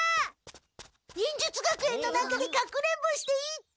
忍術学園の中で隠れんぼしていいって。